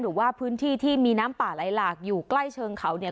หรือว่าพื้นที่ที่มีน้ำป่าไหลหลากอยู่ใกล้เชิงเขาเนี่ย